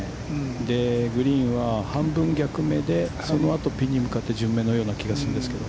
で、グリーンは半分逆目で、その後、ピンに向かって順目のような気がするんですけど。